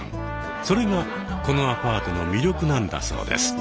それがこのアパートの魅力なんだそうです。